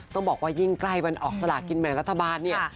ต้องบอกว่ายิ่งใกล้วันออกสลากินแบ่งรัฐบาลเนี่ย